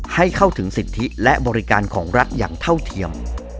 ให้เข้าถึงสิทธิและบริการของรัฐอย่างเท่าเทียม